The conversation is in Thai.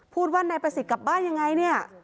พูดว่านายประสิทธิ์กลับบ้านยังไงเนี่ย